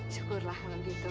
syukurlah kalau gitu